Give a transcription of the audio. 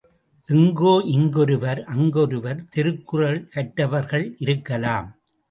எங்கோ இங்கொருவர் அங்கொருவர் திருக்குறள் கற்றவர்கள் இருக்கலாம்!